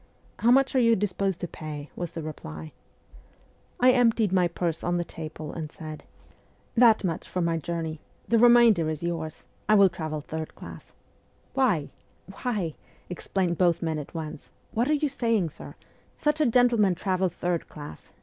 ' How much are you disposed to pay ?' was the reply. I emptied my purse on the table, and said :' That VOL. II. G 82 MEMOIRS OF A REVOLUTIONIST much for my journey. The remainder is yours. I will travel third class !'' Wai ! wai ! wai !' exclaimed both men at once. ' What are you saying, sir ? Such a gentleman travel third class